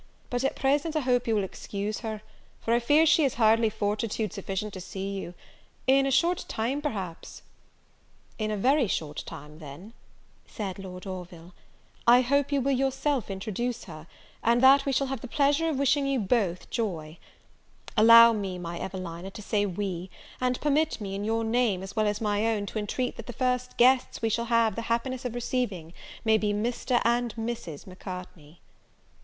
but at present I hope you will excuse her, for I fear she has hardly fortitude sufficient to see you: in a short time perhaps " "In a very short time, then," said Lord Orville, "I hope you will yourself introduce her, and that we shall have the pleasure of wishing you both joy: allow me, my Evelina, to say we, and permit me, in your name, as well as my own, to entreat that the first guests we shall have the happiness of receiving may be Mr. and Mrs. Macartney."